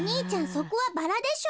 そこはバラでしょ。